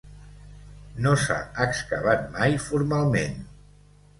No s'ha excavat mai formalment.